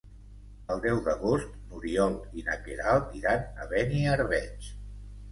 El deu d'agost n'Oriol i na Queralt iran a Beniarbeig.